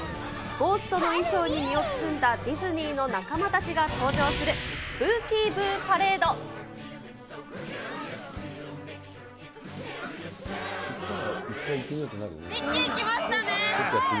ゴーストの衣装に身を包んだディズニーの仲間たちが登場する、ミッキー、来ましたね！